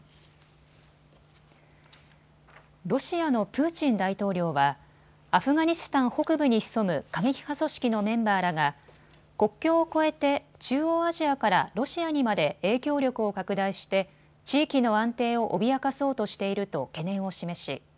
ロシアのプーチン大統領はアフガニスタン北部に潜む過激派組織のメンバーらが国境を越えて中央アジアからロシアにまで影響力を拡大して地域の安定を脅かそうとしていると懸念を示し